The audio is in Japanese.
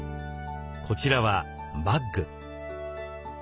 こちらはバッグ。